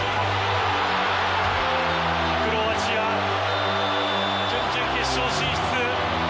クロアチア、準々決勝進出。